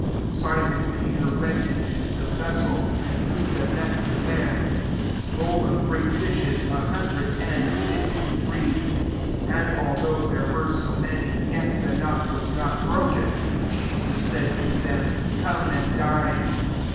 '* 11 Simon Peter went into the vessel, and drew the net to land, full of great fishes, a hundred and fifty three : and although there were so many, yet the net was not broken. 12 Jesus said to them, " Come and dine."